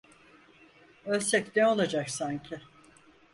Ölsek ne olacak sanki…